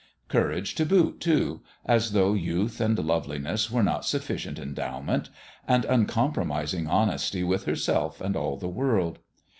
Courage to boot, too as though youth and loveliness were not suf ficient endowment and uncompromising hon esty with herself and all the world.